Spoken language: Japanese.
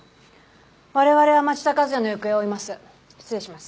我々は町田和也の行方を追います。